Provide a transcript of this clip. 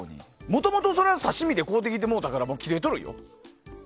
もともとそれは刺し身で買うてきてもうたから切れてるよ。